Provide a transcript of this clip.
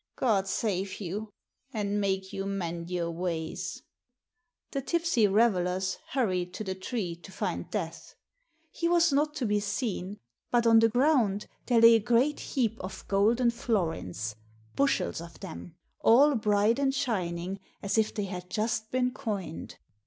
God save you, and make you mend your ways !" The tipsy revelers hurried to the tree to find Death. He was not to be seen, but on the ground there lay a great heap of golden florins, bushels of them, all bright and shining as if they had just been coined.